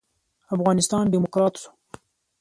افغانستان ډيموکرات شو.